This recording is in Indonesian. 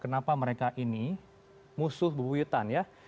kenapa mereka ini musuh bewitan ya